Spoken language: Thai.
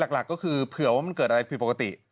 หลักก็คือเผื่อว่ามันเกิดอะไรผิดปกติ